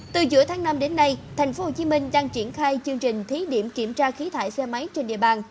từ giữa tháng năm đến nay tp hcm đang triển khai chương trình thí điểm kiểm tra khí thải xe máy trên địa bàn